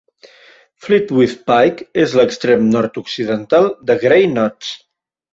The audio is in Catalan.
Fleetwith Pike és l'extrem nord-occidental de Grey Knotts.